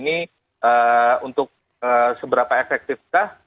ini untuk seberapa efektifkah